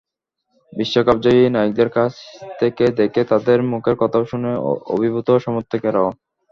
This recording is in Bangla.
বিশ্বকাপজয়ী নায়কদের কাছ থেকে দেখে, তাঁদের মুখের কথা শুনে অভিভূত সমর্থকেরাও।